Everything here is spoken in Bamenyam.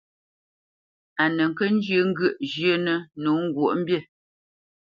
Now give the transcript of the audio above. A nə kə́ njyə́ ŋgyə̂ʼ zhyə́nə̄ nǒ ŋgwǒʼmbî.